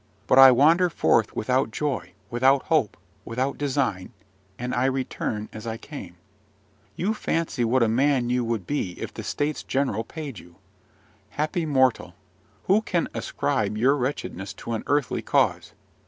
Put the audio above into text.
But I wander forth without joy, without hope, without design; and I return as I came. You fancy what a man you would be if the states general paid you. Happy mortal, who can ascribe your wretchedness to an earthly cause!